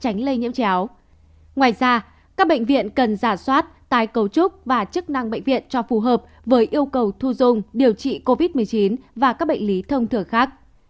ngoài ra các bệnh viện cần giả soát tài cấu trúc và chức năng bệnh viện cho phù hợp với yêu cầu thu dung điều trị covid một mươi chín và các bệnh lý thông thường khác